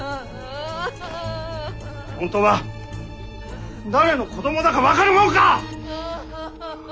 本当は誰の子どもだか分かるもんか！